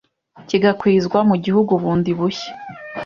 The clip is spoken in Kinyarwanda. kigakwizwa mu gihugu bundi bushya.